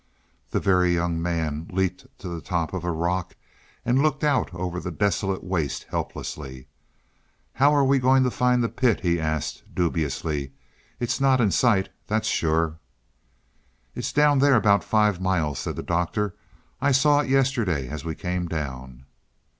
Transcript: The Very Young Man leaped to the top of a rock and looked out over the desolate waste helplessly. "How are we going to find the pit?" he asked dubiously. "It's not in sight, that's sure." "It's down there about five miles," said the Doctor. "I saw it yesterday as we came down."